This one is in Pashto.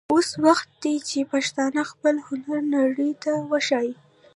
اوس وخت دی چې پښتانه خپل هنر نړۍ ته وښايي.